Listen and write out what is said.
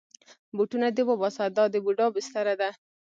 بوټونه دې وباسه، دا د بوډا بستره ده.